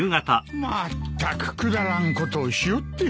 まったくくだらんことをしおって。